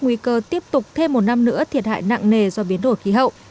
nguy cơ tiếp tục thêm một năm nữa thiệt hại nặng nề do biến đổi khí hậu